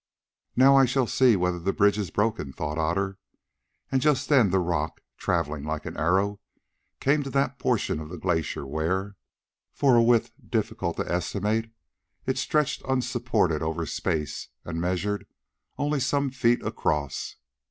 "Now I shall see whether the bridge is broken," thought Otter; and just then the rock, travelling like an arrow, came to that portion of the glacier where, for a width difficult to estimate, it stretched unsupported over space, and measured only some few feet across.